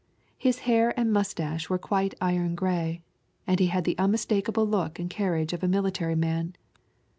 His hair and mustache were quite iron gray, and he had the unmistakable look and carriage of a military man.